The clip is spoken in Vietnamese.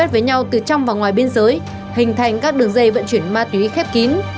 với nhau từ trong và ngoài biên giới hình thành các đường dây vận chuyển ma túy khép kín